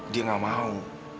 dia gak mau